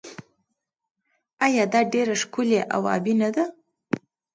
آیا دا ډیره ښکلې او ابي نه ده؟